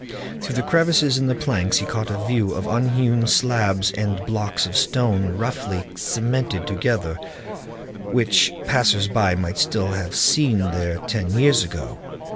Through the crevices in the planks he caught a view of unhewn slabs and blocks of stone roughly cemented together, which passers by might still have seen there ten years ago.